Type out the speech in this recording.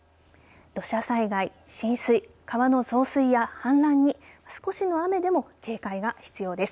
土砂災害、浸水、川の増水や氾濫に少しの雨でも警戒が必要です。